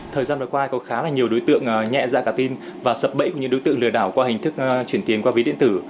thời gian vừa qua có khá là nhiều đối tượng nhẹ dạ cả tin và sập bẫy của những đối tượng lừa đảo qua hình thức chuyển tiền qua ví điện tử